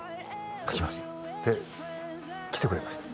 書きましたで来てくれました